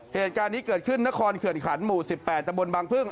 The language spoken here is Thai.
เหตุการณ์นี้เกิดขึ้นนครเขื่อนขันหมู่๑๘ตะบนบางพึ่ง